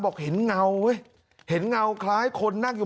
บอกเห็นเงาเว้ยเห็นเงาคล้ายคนนั่งอยู่